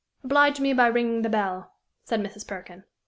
"Oblige me by ringing the bell," said Mrs. Perkin.